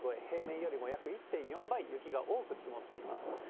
平年よりも約１．４倍多く積もっています。